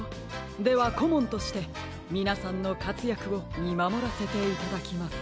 ではこもんとしてみなさんのかつやくをみまもらせていただきます。